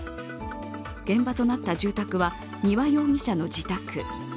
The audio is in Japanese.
現場となった住宅は、丹羽容疑者の自宅。